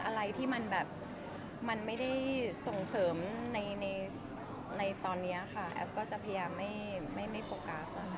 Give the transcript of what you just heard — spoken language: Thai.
อะไรที่มันไม่ได้ส่งเสริมในตอนนี้แอฟก็จะพยายามไม่โฟกัส